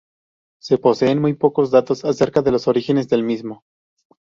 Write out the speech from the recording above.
Se poseen muy pocos datos acerca de los orígenes del mimo.